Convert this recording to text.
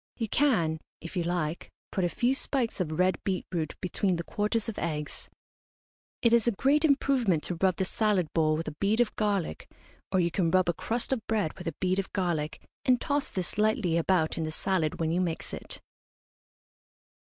You can, if you like, put a few spikes of red beet root between the quarters of eggs. It is a great improvement to rub the salad bowl with a bead of garlic, or you can rub a crust of bread with a bead of garlic, and toss this lightly about in the salad when you mix it.